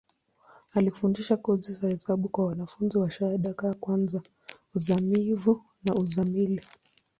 Alifundisha kozi za hesabu kwa wanafunzi wa shahada ka kwanza, uzamivu na uzamili.